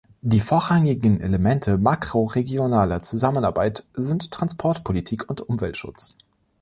Die vorrangigen Elemente makroregionaler Zusammenarbeit sind Transportpolitik und Umweltschutz.